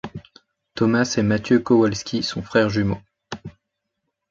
Thomas et Mathieu Kowalski sont frères jumeaux.